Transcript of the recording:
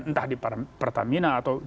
entah di pertamina atau